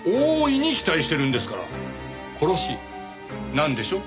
なんでしょ？